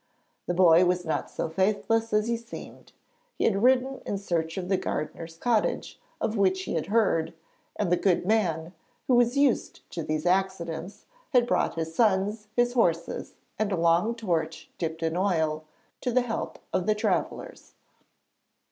The boy was not so faithless as he seemed. He had ridden in search of the gardener's cottage of which he had heard, and the good man, who was used to these accidents, had brought his sons, his horses, and a long torch dipped in oil to the help of the travellers.